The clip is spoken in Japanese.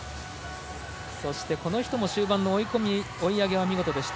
そしてこの人も終盤の追い上げが見事でした。